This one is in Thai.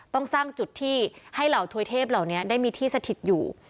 ต้องสร้างจุดที่ให้เหล่าถวยเทพเหล่านี้ได้มีที่สถิตอยู่